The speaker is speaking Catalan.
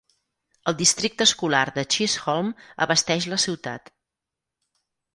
El districte escolar de Chisholm abasteix la ciutat.